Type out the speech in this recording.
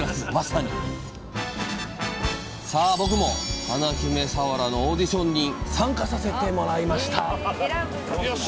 僕も華姫さわらのオーディションに参加させてもらいましたよし！